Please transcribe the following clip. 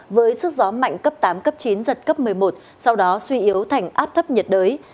với sức gió mạnh cấp tám cấp chín giật cấp một mươi một sau đó suy yếu thành áp thấp nhiệt đới